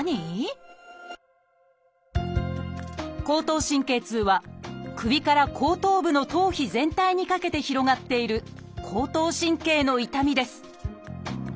「後頭神経痛」は首から後頭部の頭皮全体にかけて広がっている後頭神経の痛みです。